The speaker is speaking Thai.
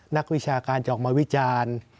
นักวิชาการจะออกมาวิจารณ์